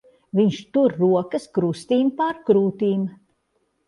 Viņš tur rokas krustīm pār krūtīm.